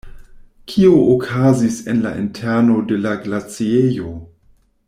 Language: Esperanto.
Kio okazis en la interno de la glaciejo?